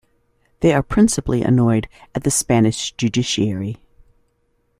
They are principally annoyed at the Spanish Judiciary.